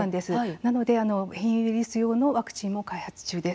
なので変異ウイルス用のワクチンの開発中です。